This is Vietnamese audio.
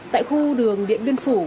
tại khu đường điện đuyên phủ